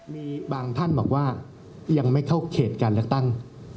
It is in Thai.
มีบางท่านบอกว่ายังไม่เข้าเขตการเลือกตั้ง